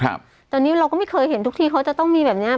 ครับตอนนี้เราก็ไม่เคยเห็นทุกที่เขาจะต้องมีแบบเนี้ย